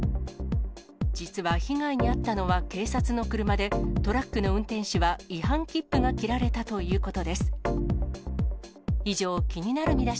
実は、被害に遭ったのは警察の車で、トラックの運転手は違反切符が切られたということです。